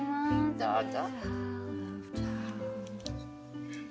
どうぞ。